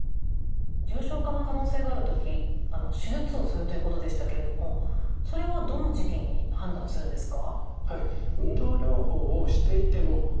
重症化の可能性がある時手術をするということでしたけれどもそれはどの時期に判断するんですか？